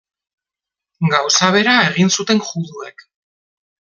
Gauza bera egin zuten juduek.